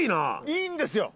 いいんですよ